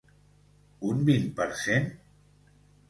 Un vint per cent?